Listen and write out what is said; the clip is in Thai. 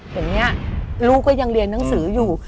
อย่างนี้ลูกก็ยังเรียนหนังสืออยู่